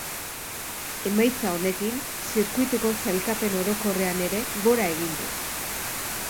Emaitza honekin, zirkuituko sailkapen orokorrean ere gora egin du.